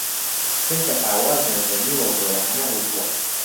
چونکە ئاوازیان ژەنیوە و گۆرانییان وتووە